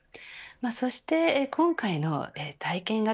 そして今回の体験型